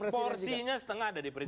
porsinya setengah ada di presiden